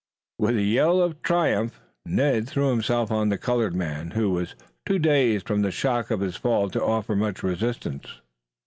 With a yell of triumph, Ned threw himself on the colored man, who was too dazed from the shock of his fall to offer much resistance.